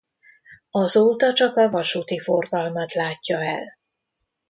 Azóta csak a vasúti forgalmat látja el.